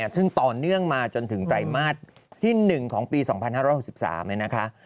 ซึ่งต่อเนื่องมาจนถึงไตรมาสที่๑ของปี๒๕๖๓นะคะ